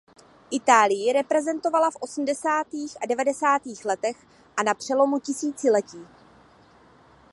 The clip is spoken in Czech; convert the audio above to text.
Itálii reprezentovala v osmdesátých a devadesátých letech a na přelomu tisíciletí.